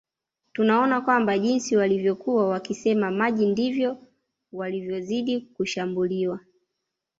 Tunaona kwamba jinsi walivyokuwa wakisema maji ndivyo walivyozidi kushambuliwa